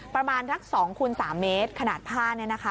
ประมาณสัก๒คูณ๓เมตรขนาดผ้า